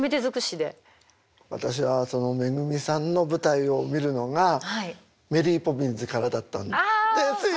私はそのめぐみさんの舞台を見るのが「メリー・ポピンズ」からだったんですよ